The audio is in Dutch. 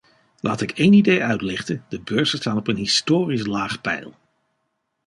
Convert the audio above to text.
Laat ik één idee uitlichten: de beurzen staan op een historisch laag peil.